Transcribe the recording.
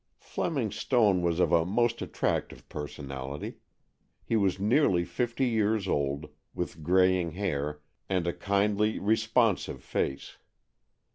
Fleming Stone was of a most attractive personality. He was nearly fifty years old, with graying hair and a kindly, responsive face.